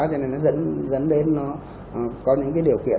cho nên nó dẫn đến có những điều kiện